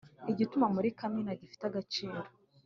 igituba muri kamena gifite agaciro